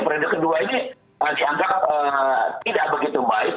prioritas kedua ini nanti angkat tidak begitu baik